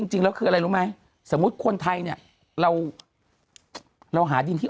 จริงแล้วคืออะไรรู้ไหมสมมุติคนไทยเนี่ยเราเราหาดินที่